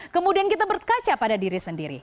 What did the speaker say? kemudian kita berkaca pada diri sendiri